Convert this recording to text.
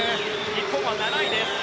日本は７位です。